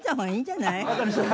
わかりました。